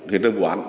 hiện trang quán